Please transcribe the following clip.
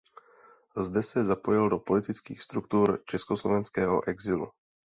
Zde se zapojil do politických struktur československého exilu.